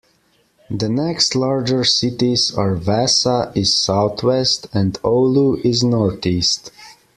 The next larger cities are Vaasa is southwest, and Oulu is northeast.